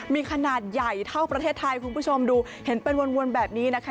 มีขนาดใหญ่เท่าประเทศไทยคุณผู้ชมดูเห็นเป็นวนแบบนี้นะคะ